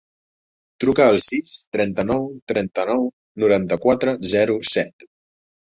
Truca al sis, trenta-nou, trenta-nou, noranta-quatre, zero, set.